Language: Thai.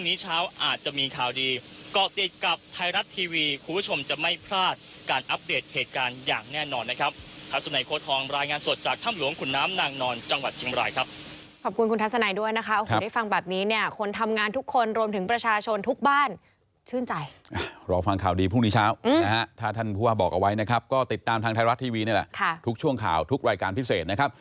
ในโค้ดฮองรายงานสดจากถ้ำหลวงขุนน้ำนางนอนจังหวัดเชียงบรายครับขอบคุณคุณทัศนัยด้วยนะคะได้ฟังแบบนี้เนี่ยคนทำงานทุกคนรวมถึงประชาชนทุกบ้านชื่นใจรอฟังข่าวดีพรุ่งนี้เช้านะฮะถ้าท่านผู้ว่าบอกเอาไว้นะครับก็ติดตามทางไทยรัฐทีวีนี่แหละค่ะทุกช่วงข่าวทุกรายการพิเศษ